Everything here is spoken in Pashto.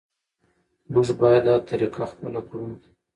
موږ باید دا طریقه خپله کړو.